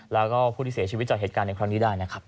แล้วก็ผู้ที่เสียชีวิตจากเหตุการณ์ในครั้งนี้ได้นะครับ